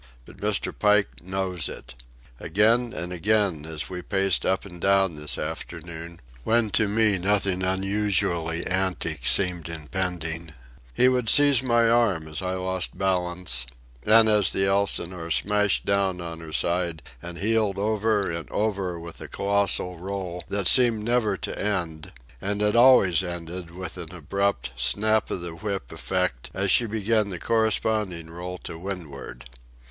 But Mr. Pike knows it. Again and again, as we paced up and down this afternoon, when to me nothing unusually antic seemed impending, he would seize my arm as I lost balance, and as the Elsinore smashed down on her side and heeled over and over with a colossal roll that seemed never to end, and that always ended with an abrupt, snap of the whip effect as she began the corresponding roll to windward.